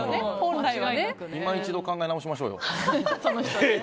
今一度、考え直しましょうよ。